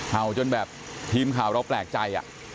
เห่าจนแบบทีมข่าวเราแปลกใจ